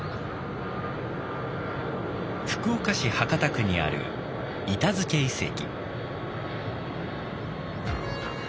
福岡市博多区にある板付遺跡。